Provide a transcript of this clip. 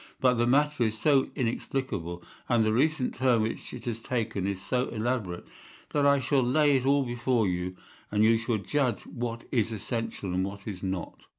But the matter is so inexplicable, and the recent turn which it has taken is so elaborate, that I shall lay it all before you, and you shall judge what is essential and what is not.